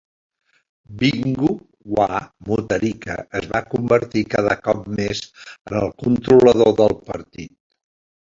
Bingu wa Mutharika es va convertir cada cop més en el controlador del partit.